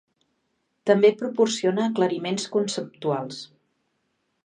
També proporciona aclariments conceptuals.